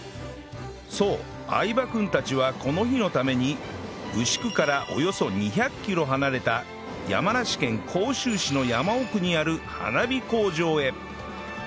そう相葉君たちはこの日のために牛久からおよそ２００キロ離れた山梨県甲州市の山奥にある花火工場へ